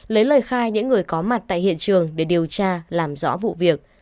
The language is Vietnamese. lấy lời khai những người có mặt tại hiện trường để điều tra làm rõ vụ việc